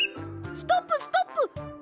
ストップストップ！